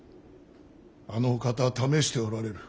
あのお方は試しておられる。